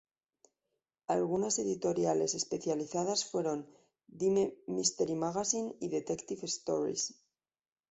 Algunas editoriales especializadas fueron "Dime Mystery Magazine" y "Detective Stories".